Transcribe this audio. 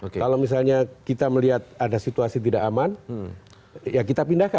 kalau misalnya kita melihat ada situasi tidak aman ya kita pindahkan